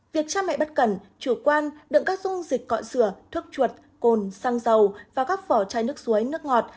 việc cha mẹ bất cẩn chủ quan đựng các dung dịch cọ rửa thuốc chuột cồn xăng dầu và các vỏ chai nước suối nước ngọt